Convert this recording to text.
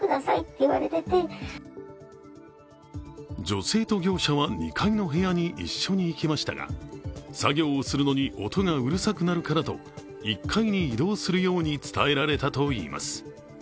女性と業者は２階の部屋に一緒に行きましたが作業をするのに音がうるさくなるからと、１階に移動するように伝えられたといいます。